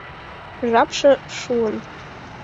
— Жапше шуын...